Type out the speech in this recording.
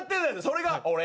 それが俺。